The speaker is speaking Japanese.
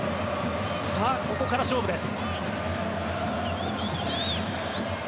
ここから勝負です。